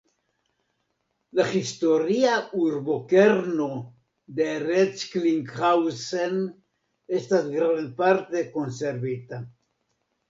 La historia urbokerno de Recklinghausen estas grandparte konservita.